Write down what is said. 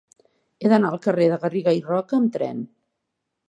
He d'anar al carrer de Garriga i Roca amb tren.